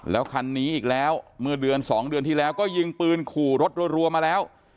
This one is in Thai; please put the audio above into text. แล้วคันนี้อีกแล้วเมื่อเดือน๒เดือนที่แล้วก็ยิงปืนขู่รถรัวมาแล้ว